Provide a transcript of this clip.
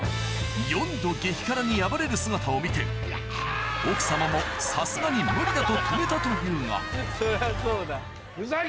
４度激辛に敗れる姿を見て奥様もさすがに無理だと止めたというがそりゃそうだ。